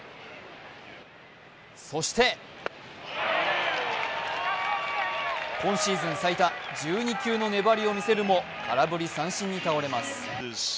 そして今シーズン最多１２球の粘りを見せるも、空振り三振に倒れます。